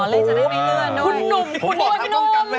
อ๋อเลขจะได้ไม่เลื่อนด้วย